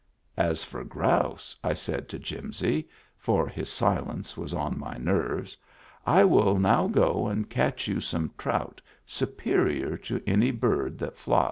" As for grouse," I said to Jimsy, for his silence was on my nerves, " I will now go and catch you some trout superior to any bird that flies."